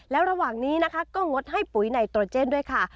แล้วระหว่างนี้นะคะก็งดให้ปุ๋ยไนโตรเจนด้วยค่ะ